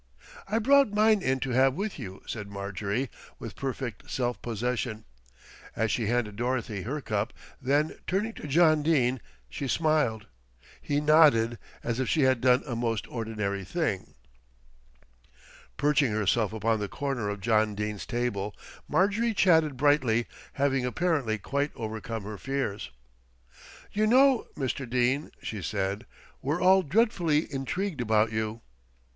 "I brought mine in to have with you," said Marjorie with perfect self possession, as she handed Dorothy her cup, then turning to John Dene she smiled. He nodded, as if she had done a most ordinary thing. Perching herself upon the corner of John Dene's table, Marjorie chatted brightly, having apparently quite overcome her fears. "You know, Mr. Dene," she said, "we're all dreadfully intrigued about you."